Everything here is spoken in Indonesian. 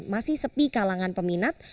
masih sepi kalangan peminat